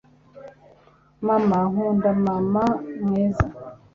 mama nkunda, mama mwiza